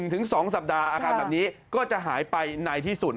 ถึง๒สัปดาห์อาการแบบนี้ก็จะหายไปในที่สุด